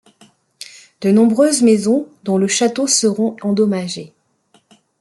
De nombreuses maisons dont le château seront endommagées.